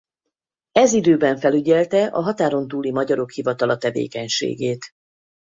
Ez időben felügyelte a Határon Túli Magyarok Hivatala tevékenységét.